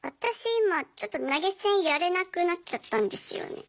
今ちょっと投げ銭やれなくなっちゃったんですよね。